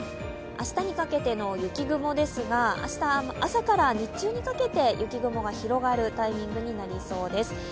明日にかけての雪雲ですが、明日は朝から日中にかけて雪雲が広がるタイミングになりそうです。